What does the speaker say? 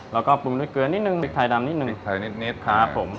แล้วก็ปรุงด้วยเกลือนิดนึงพริกไทยดำนิดนึงไทยนิดครับผม